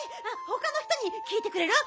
ほかの人にきいてくれる？